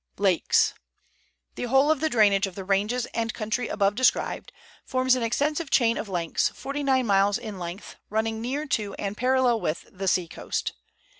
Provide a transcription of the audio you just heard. LAKES. The whole of the drainage of the ranges and country above described, forms an extensive chain of lakes, forty nine miles in length, running near to and parallel with the sea coast.